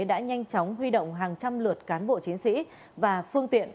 đã nhanh chóng huy động hàng trăm lượt cán bộ chiến sĩ và phương tiện